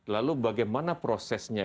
lalu bagaimana prosesnya